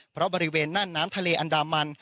เพราะบริเวณหน้าน้ำทะเลอันดามัน